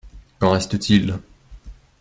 Qu’en reste-t-il?